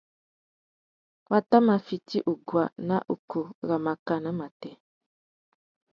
Wa tà mà fiti uguá ná ukú râ mákànà matê.